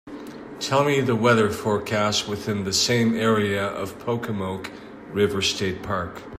Tell me the weather forecast within the same area of Pocomoke River State Park